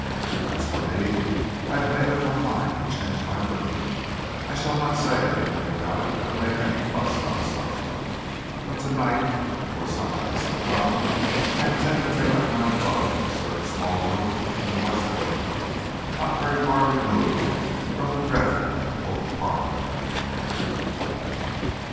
As for me, I have made up my mind to change my room. I shall not say anything about it or make any fuss on the subject, but to night, and for some nights to come, I intend to take up my abode in a certain small room in the west wing, not very far removed from the dreadful oak parlor.